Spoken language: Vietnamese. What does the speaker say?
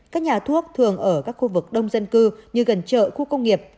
các nhà thuốc thường ở các khu vực đông dân cư như gần chợ khu công nghiệp